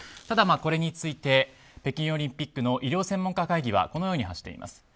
ただ、これについて北京オリンピックの医療専門家会議はこのように発しています。